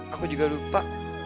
aku juga lupa